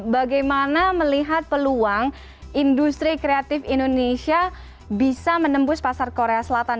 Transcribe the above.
bagaimana melihat peluang industri kreatif indonesia bisa menembus pasar korea selatan